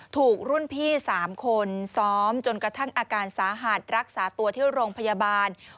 ถูกรุ่นพี่๓คนซ้อมจนกระทั่งอาการสาหัสรักษาตัวที่โรงพยาบาล